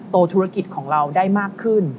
ธุรกิจของเราได้มากขึ้น